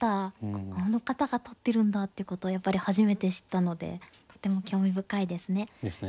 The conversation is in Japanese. あの方が撮ってるんだっていうことをやっぱり初めて知ったのでとても興味深いですね。ですね。